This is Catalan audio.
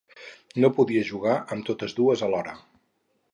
No podia jugar amb totes dues alhora.